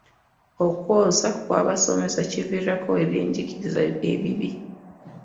Okwosa kw'abasomesa kiviirako ebyenjigiriza ebibi.